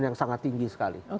yang sangat tinggi sekali